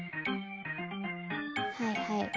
はいはい。